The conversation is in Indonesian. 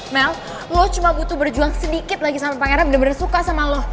mel lo cuma butuh berjuang sedikit lagi sampe pangeran bener dua suka sama lo